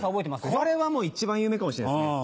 これはもう一番有名かもしれないですね。